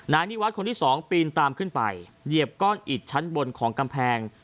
นิวัฒน์คนที่สองปีนตามขึ้นไปเหยียบก้อนอิดชั้นบนของกำแพง